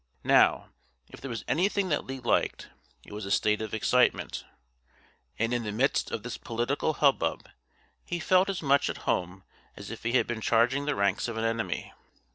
Now, if there was anything that Lee liked, it was a state of excitement, and in the midst of this political hubbub he felt as much at home as if he had been charging the ranks of an enemy.